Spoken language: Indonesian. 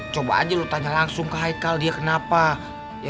coba aja lu tanya langsung ke haikal dia kenapa